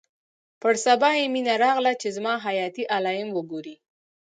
پر سبا يې مينه راغله چې زما حياتي علايم وګوري.